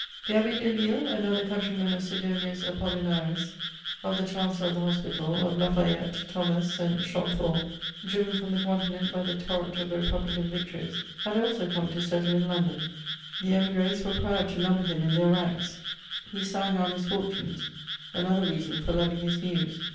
The Abbe Delille, another countryman of Sidonius ApoUin aris, of the chancellor of the hospital, of La Fayette, Thomas, and Chamfort, driven fi'om the continent by the torrent of the re publican victories, had also come to settle in London. The 404 MEMOIRS OF imigres were proud to number him m their ranks ; he ssLng our misfortunes, another reason for loving his muse.